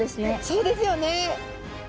そうですよね！